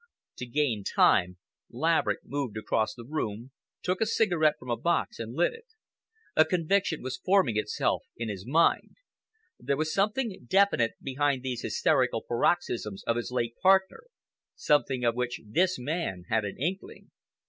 To gain time, Laverick moved across the room, took a cigarette from a box and lit it. A conviction was forming itself in his mind. There was something definite behind these hysterical paroxysms of his late partner, something of which this man had an inkling.